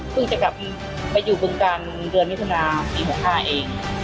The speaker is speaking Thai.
เพิ่งจะกลับไปอยู่เบื้องกาลเดือนมิถุนาปี๖๕เอง